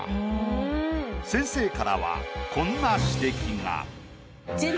先生からはこんな指摘が。